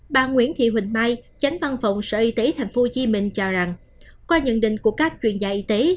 bà nguyễn thị huỳnh mai chánh văn phòng sở y tế tp hcm cho rằng qua nhận định của các chuyên gia y tế